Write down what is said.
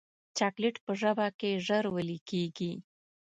چاکلېټ په ژبه کې ژر ویلې کېږي.